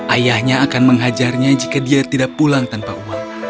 ayahnya akan menghajarnya jika dia tidak pulang tanpa uang